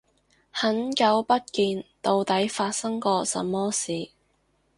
很久不見，到底發生過什麼事